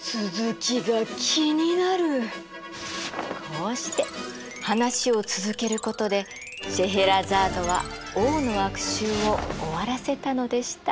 こうして話を続けることでシェエラザードは王の悪習を終わらせたのでした。